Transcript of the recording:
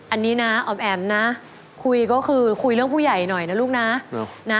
อันนี้นะอ๋อมแอ๋มนะคุยก็คือคุยเรื่องผู้ใหญ่หน่อยนะลูกนะ